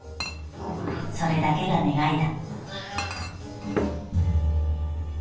それだけが願いだ」。